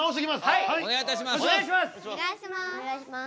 はいお願いいたします。